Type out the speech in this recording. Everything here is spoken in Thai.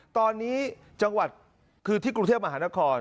ตอนนี้จังหวัดคือที่กรุงเทพมหานคร